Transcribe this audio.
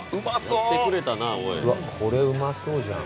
うわっこれうまそうじゃん。